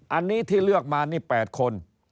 อันนี้ที่เลือกมานี่๘คน